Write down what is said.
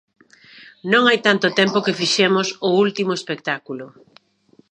Non hai tanto tempo que fixemos o último espectáculo.